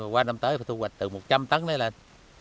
qua năm tới thì thu hoạch từ một trăm linh tấn đấy lên